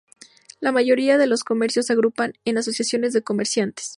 La mayoría de comercios se agrupan en asociaciones de comerciantes.